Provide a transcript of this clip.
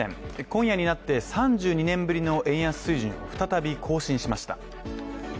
今夜になって３２年ぶりの円安水準を再び更新しました。